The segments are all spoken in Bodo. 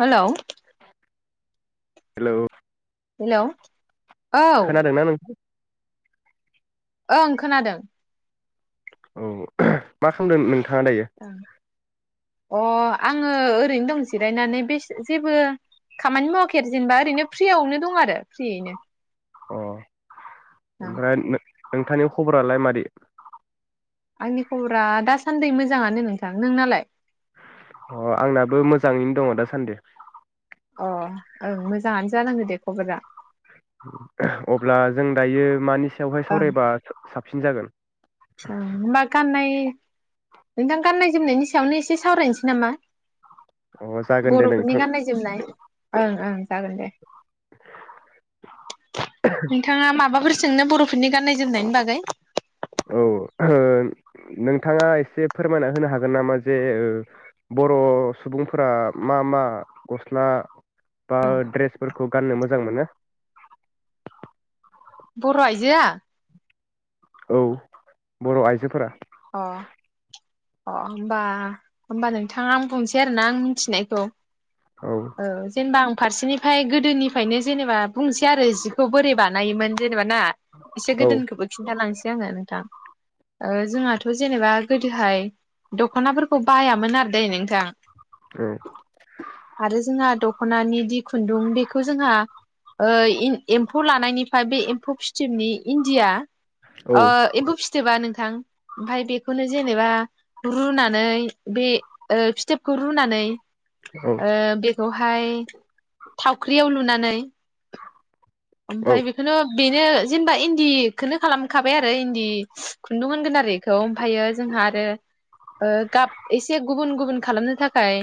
हेलौ हेलौ हेलौ औ खोनादोंना नों ओं खोनादों। औ मा खामदों नों थांङा दायो? अ आङो ओरैनो दं जिरायनानै बे जेबो खामानि मावाखै जेनबा ओरैनो फ्रियावनो दं आरो फ्रियैनो अ ओं ओमफ्राय [unintelligible] नोंथांनि खबरालाय मादि? आंनि खबरा दासान्दि मोजाङानो नोंथां नोंनालाय? अ आंनाबो मोजाङैनो दङ दासान्दि। अ ओं मोजाङानो जानांगो दे खबरा। अब्ला जों दायो मानि सायावहाय सावरायबा साबसिन जागोन? औ मा गाननाय नोंथां गाननाय जोमनायनि सायावनो एसे सावरायनिसै नामा? अ जागोन दे बर'फोरनि नोंथां गाननाय जोमनाय ओं ओं जागोन दे नोंथाङा माबाफोर सोंनो बर'फोरनि गाननाय जोमनायनि बागै? औ ओ नोंथाङा एसे फोरमायना होनो हागोन नामा जे बर' सुबुंफोरा मा मा गस्ला बा ड्रेसफोरखौ गाननो मो जां मोनो बर' आइजोआ? औ बर' आइजोफोरा अ अ होमबा-होमबा नोंथां आं बुंसै आरोना आं मिथिनायखौ। औ ओ जेनबा आं फारसेनिफाय गोदोनिफायनो जेनेबा बुंसै आरो जिखौ बोरै बानायोमोन जे नेबा ना इसे औ गोदोनिखोबो खिन्थालां सै आङो नोंथां ओ जोंहा थ' जेनेबा गोदोहाय दख'नाफोरखौ बायामोन आरो दे नोंथां। औ आरो जोंहा द ख'नानि दि खुन्दुं बेखौ जोंहा ओ इमदि-एम्फौ लानायनिफा बे एम्फौ फिथोबनि इण्डिया औ ओ एम्फौ फिथोबा नोंथां। ओमफाय बेखौनो जेनेबा रुनानै बे ओ फिथोबखौ रुनानै ओ बे खौहाय थावख्रियाव लुनानै औ ओमफफ्राय बेखौनो बेनो जेनेबा इन्दिखौनो खालामखाबाय आरो इन्दि खुन्दुं मोनगोन आरो बेखौ ओमफ्रायो जोंहा आरो गाब एसे गुबुन गुबुन खालामनो थाखाय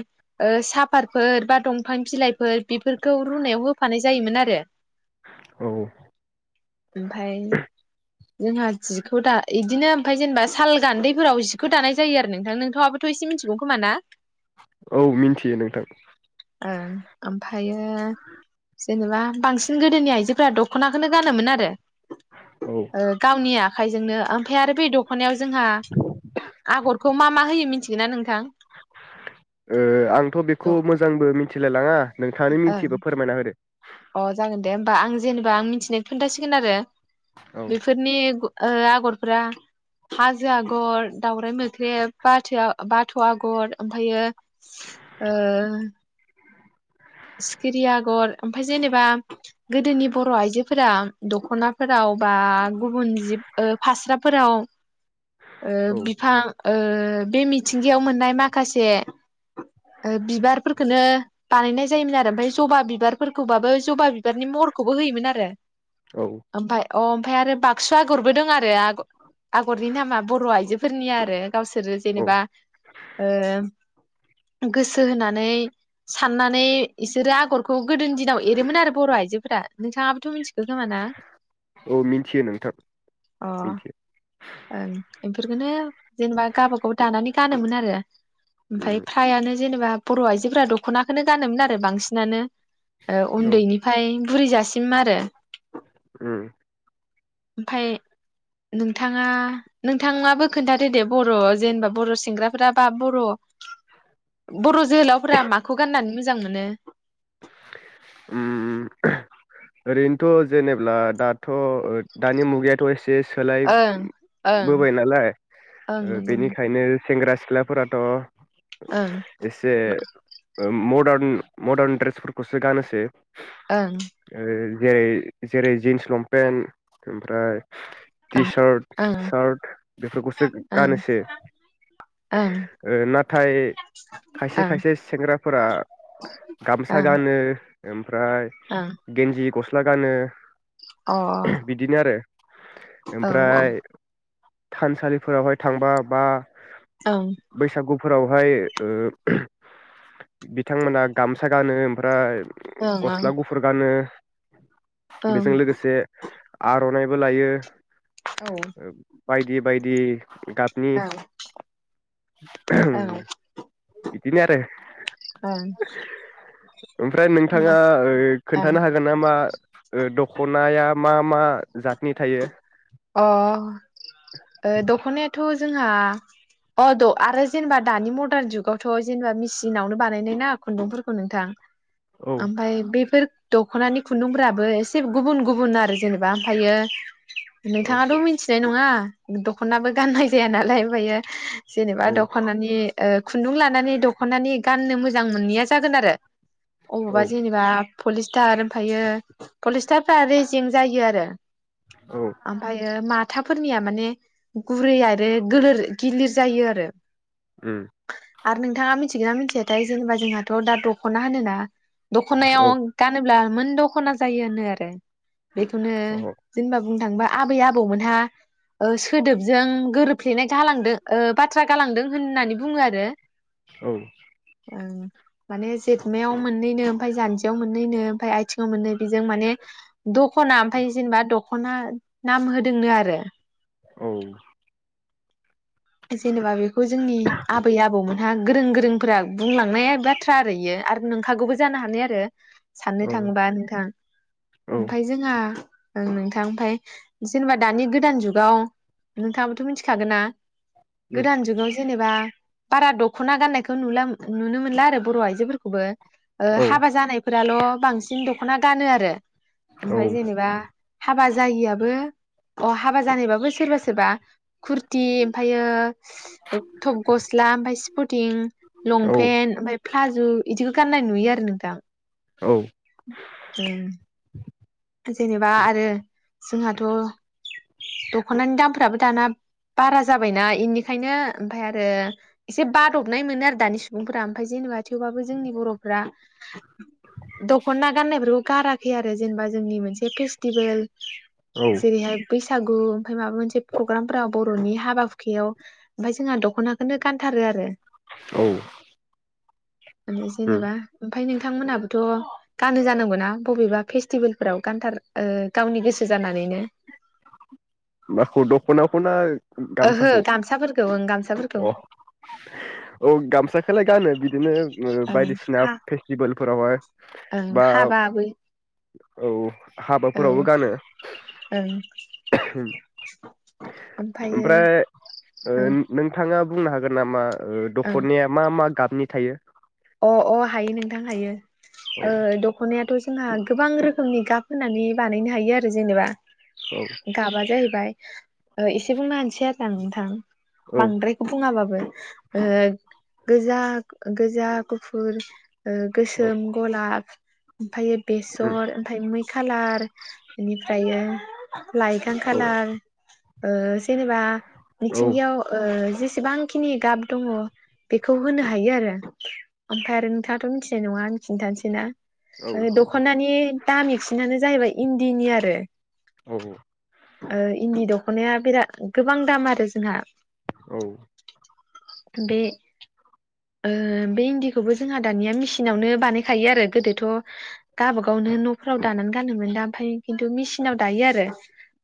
साफातफोर बा दंफां बिलाइफोर बेफोरखौ रुनायाव होफानाय जायोमोन आरो औ ओमफ्राय जोंहा जिखौ दा बिदिनो ओमफ्राय जेनेबा साल गान्दैफोराव जिखौ दानाय जायो आरोना नोंथांआबोथ' एसे मिथिगौ खोमा ना? औ मिन्थियो नोंथां। ओं ओमफ्रायायो जेनेबा बांसिन गो गोदोनि आइजोफोरा दख'नाखौनो गानोमोन आरो ओ गावनिया आखाइजोंनो ओमफ्राय आरो बे दख'नायाव जोंहा आगरखौ मा मा होयो मिथि [unintelligible] ओ आंथ' द' बेखौ ओं मोजांबो मिथि मिथिलाय लाङा नोंथांआनो मिथियोबा फोरमायना होदो अ जागोन दे होमबा आं जेनेबा आं मिथिनाय खोन्थासिगोन आरो। औ बेफोरनि ओ आगरफोरा हाजो आगर दावराइ मोख्रेब बाथो बाथ' आगर ओमफ्रायो ओ सिखिरि आगर ओमफ्राय जेनेबा गोदोनि बर' आइजोफोरा दख'नाफोराव बा गुबुन जिब फास्राफोराव ओ औ बिफां ओ बे मिथिंगायाव मोननाय माखासे बिबारफोरखौनो बानायनाय जा जायोमोन आरो ओमफ्राय जबा बिबारफोरखौबाबो जबा बिबारनि महरखौबो होयोमोन आरो। औ। ओमफ्राय अ ओमफ्राय आरो बाक्सु आगरबो दं आरो आग आगरनि नामा बर' आइजो। सोरनिया आरो गावसोरो औ जेनेबा ओ गोसो होनानै साननानै इसोरो आगर खौ गोदोनि दिनाव एरोमोन आरो बर' आइजोफोरा नोंथाङाबोथ' मिथिखो खोमाना औ मिथियो नोंथां अ मिथियो ओं बेफोरखौनो जेनेबा गाबागाव दानानै गानोमोन आरो। ओमफ्राय उम फ्रायानो जेनेबा बर' आइजोफोरा दख'नाखौनो गानोमोन आरो बांसिनानो। ओ औ उन्दैनिफ्राय बुरैजासिम आरो ओम ओमफ्राय नों नोंथाङा नोंथाङाबो खोनथादो दे बर' जेनेबा बर' सेंग्राफोरा बा बर' बर' जोहोलावफोरा माखौ गाननानै मोजां मोजां मोनो ओम ओरैनोथ' जेनेब्ला दाथ' दानि मुगायाथ' एसे एसे ओं ओं सोलायबोबाय नालाय ओं ओ नंगौ नंगौ बेनिखायनो सेंग्रा सिख्लाफोराथ' ओं एसे ओ मदार्न मडार्न ड्रेस फोरखौसो गानोसै ओं ओ जेरै जेरै जिन्स लंपेन्ट ओमफ्राय टि सार्ट ओं सार्ट बेफोरखौसो ओं गानोसै ओं नाथाय खायसे ओ ओं खायसे सेंग्राफोरा गाम गामसा ओं गानो ओमफ्राय ओं गेन्जि गस्ला गस्ला गानो अ औ बिदिनो आरो औ ओमफ्राय थानसालिफोरावहाय थांबा बा ओं बैसागु फोरावहाय ओ बिथांमोना गामसा गानो ओमफ्राय ओं गस्ला गुफुर गानो। [inaudible] ओं ओं बेजों लोगोसे आर'नाइबो लायो। औ ओ। बायदि बायदि। गाबनि औ औ बिदिनो आरो ओं ओमफ्राय होमबा नोंथाङा ओ ओं खोन्थानो हागोन नामा [unintelligible] ओ दखनाया मा मा जातनि थायो? अ ओ दखनायाथ' जोंहा अ आरो जेनेबा दानि मदार्न जुगावथ' जेनेबा मेचिनावनो बानायनाय ना खुन्दुंफोरखौ नोंथां। औ ओमफ्राय बेफोर दखनानि खुन्दुंफोराबो एसे गुबुन गुबुन आरो जेनेबा ओमफायो औ नोंथाङाथ' मिनथिनाय न ङा दख'नाबो गाननाय जाया नालाय आमफायो जेनेबा औ दख'नानि ओ खुन्दुं लानानै दख'नानि गाननो मोजां मोनैया जागोन आरो। औ अबावबा जेनेबा पलिस्टार ओमफ्रायो पलिस्टारफ्रा रेजें जायो आरो। औ। ओमफायो माथाफोरनिया माने गुरै आरो गोलोर गिलिर जायो आरो। ओम। आरो नोंथाङा मिथिगोन ना मिथियाथाय जेनेबा जोंहाथ' दा दख'ना होनोना दख'नायाव औ गानोब्ला मोन दख'ना जायो होनो आरो। बेखौनो औ जेनबा बुं थांबा आबै आबौमोनहा ओ सोदोबजों गोरोबफ्लेनाय गालांदों ओ बाथ्रा गालांदों होननानै बुङो आरो। औ। ओं माने जेतमायाव मोननैनो ओमफाय जानजियाव मोननैनो ओमफ्राय आथिङाव मोननै बेजों माने दख'ना आमफाय जेनेबा द खना नाम होदोंनो आरो। औ। जेनेबा बेखौ जोंनि आबै आबौमोनहा गोरों गोरोंफोरा बुंलांनाय बाथ्रा आरो इयो आरो नोंखागौबो जानो हानाय आरो। साननो थाङोबा नोंथां औ ओमफाय जोंहा ओं नोंथां ओमफाय जेनेबा दानि गोदान जुगाव नोंथाङाबोथ' मिथिखागोन ना? गोदान जुगाव जेनेबा बारा दख'ना गाननायखौ नुला नुनो मोनला आरो बर' आइजोफोरखौबो। ओ औ हाबा जानाय फोराल' बांसिन दख'ना गानो आरो। ओमफाय जेनेबा हाबा जायिआबो अ हाबा जानायबाबो सोरबा सोरबा खुरथि योग ओ टप गस्ला आमफाय स्पथिं लंपेन्थ आमफाय फ्लाज' इदिखौ गा गाननाय नुयो आरो नोंथां औ ओं जेनेबा आरो जोंहाथ' दख'नानि दामफ्राबो दाना बारा जाबायना इनिखायनो ओमफाय आरो एसे बादबनाय मोनो आरो दानि सुबुंफोरा ओमफाय जेनेबा थेवबाबो जोंनि बर'फ्रा [inaudible] दख'ना गाननायफोरखौ गाराख खै आरो जेनबा जोंनि मोनसे फेस्टिभोल औ जेरैहाय बैसागु गु ओमफाय माबा मोनसे प्रग्रामफोरााव बर'नि हाबा हुखायाव ओमफाय जोंहा दख'नाखोनो गानथारो आरो औ माने जेनेबा ओमफाय नोंथांमोनहाबोथ' गानो जानांगौना बबेबा फेस्टिबोल फोराव गानथार ओ गावनि गोसो जानानैनो माखौ दख'नाखौ ना? उम ओहो गामसाखौ गामसाफोरखौ ओं गामसाफोरखौ अ औ गामसाखोलाय गानो बिदिनो। ओ ओं बायदिसिना हा फेस्टिभेलफोरावहाय ओं बा हाबा बै औ हाबाफोरावबो औ गानो ओं ओमफ्रायो ओमफ्राय ओ ओं नोंथां। नोंङा बुंनो हागोन नामा? ओ दख'नाया मा मा गाब नि थायो अ अ हायो नोंथां हायो। औ ओ दख'नायाथ' जोंहा गोबां रोखोमनि गाब होनानै बानायनो हायो आरो जेनेबा। औ गाबा जायो बाय ओ एसे बुंनो होनसै आरो नोंथां औ बांद्रायखौ बुङाबाबो ओ गोजा गोजाब गुफुर ओ औ गोसोम, गलाब ओमफायो उम बेसर ओमफाय मै खालार बेनिफ्रायो‌ लायगां औ खालार ओ जेनेबा औ मिथिंगायाव ओ जेस बेसेबांखिनि गाब दङ' बेखौ होनो हायो आरो। ओमफ्राय आरो नोंथाङाथ' मिथिनाय नङा आंनो खिन्थानोसैना? औ ओ खोन्था दख'नानि दामि खुनानो जाहैबाय इन्दिनि आरो। औ ‌। ओ इन्दि दख'नाया बिराद गोबां दाम आरो जोंहा। औ। बे ओ बे इन्दि खु खौबो जोंहा दानिया मेसिनावनो बानायखायो आरो गोदोथ' गावबागावनो न'फोराव दानानै गानोमोन दा ओमफाय खिन्थु मेसिनाव दायो आरो।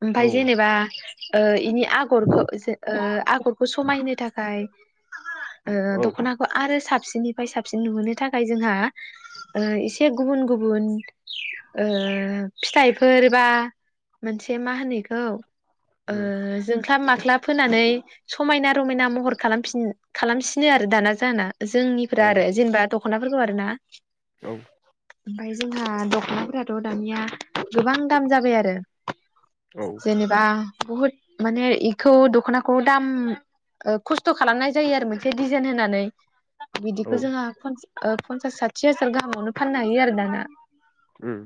ओमफाय औ जेनेबा ओ इनि आगरखो ओ आगरखौ समायनो थाखाय ओ औ दख'नाखौ आरो साबसिननि फाय साबसिन नुहोनो थाखाय जोंहा ओ एसे गुबुन गुबुन ओ फिथाइफोर बा मोनसे मा होनो इखौ ओ उम जोंख्लाब मा ख्लाब होनानै समायना रमायना महर खालामफिन खालामसिनो आरो दाना जाना जों औ फोरा आरो जेनेबा द ख'नाफोरखौ आरो ना। औ। ओमफ्राय जोंहा दख'नाफोराथ' दानिया गोबां दाम जाबाय आरो औ जेनेबा बुहुद माने इखौ दख'नाखौ दाम ओ खस्थ' खालामनाय जायो आरो मोनसे डिजाइन होनानै। बिदिखो औ जोङा पन ओ पन्सास साथि हाजार गाहामावनो फाननो हायो आरो दाना। ओम।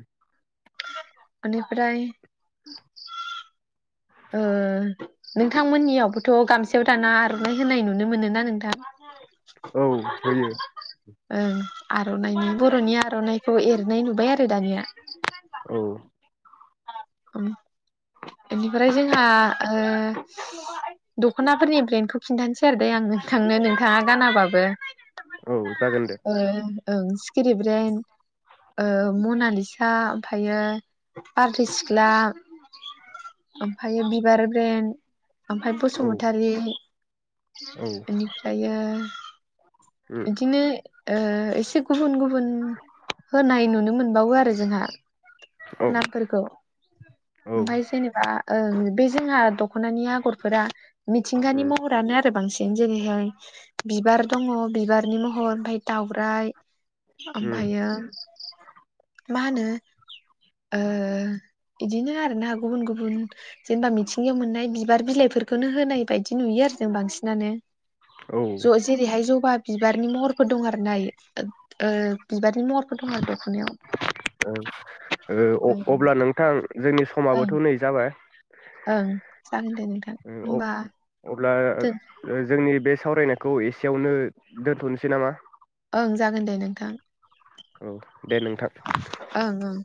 इनिफ्राय ओ नोंथांमोननियावबोथ' गामसायाव दाना आर'नाइ होनाय नुनो मोनो ना नोंथां? औ होयो। ओं आर'नाइनि बर'नि आर'नाइखौ एरनाय नुबाय आरो दानिया। औ ओम बेनिफ्राय जोंहा ओ दख'नाफोरनि ब्रेन्डखौ खिन्थानोसै आरो दे आं नोंथांनो नोंथाङा गानाबाबो। औ जागोन दे। ओ ओं सिखिरि ब्रेन ओ मनालिसा ओमफायो बारदै सिख्ला ओमफायो बिबार ब्रेन्ड ओमफाय औ बसुमतारी औ उम इनिफ्रायो इदिनो ओ एसे गुबुन गुबुन होननाय नुनो मोनबावो आरो जोंहा। औ नामफोरखौ उम ओमफाय जेनेबा ओं बे जोंहा द दखनानि आगरफोरा मिथिंगानि महरानो आरो बांसि दिनो जेरैहाय बिबार दङ बिबारनि महर ओमफाय दाउरायाइ उम ओमफायो मा होनो ओ बिदिनो आरोना गुबुन गुबुन जेनेबा मिथिंगायाव मोननाय बिबार बिलाइफोरखौनो होनाय बायदि नुयो आरो जो बांसिनानो औ ज-जेरे हाय जबा बिबारनि महरफोर दं आरो दायो ओ ओ बिबार नि महरफोर दङ दखनायाव औ ओ ओं अ-अब्ला नोंथां जोंनि ओं समाबोथ नै जाबाय ओं जागोन दे नोंथां ओमबा ब्ला ओ ओ जोंनि बे सावरायनायखौ एसेयावनो दोन्थनोसै नामा? ओं जागोन दे नोंथां। औ दे नोंथां। ओं ओं